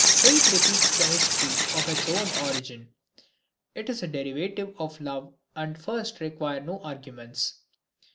Faith repeats the history of its own origin; it is a derivative of love and at first requires no arguments.